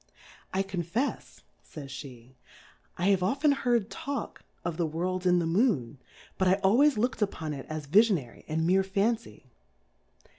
I confefs, Jays fie, I have often heard talk of the IVorU in the Moo?^^ but I always lookM upon it as Viiionary and meer Fancy.